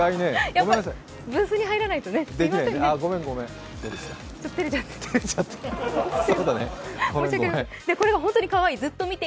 やっぱりブースに入らないとね、すみません、照れちゃって。